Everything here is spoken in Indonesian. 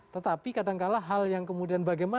tetapi kadang kadang hal yang kemudian bagaimana